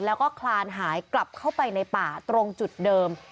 แล้วก็คลานหายกลับเข้าไปในป่าตรงจุดเดิม